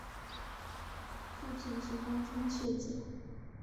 父亲是荒川秀景。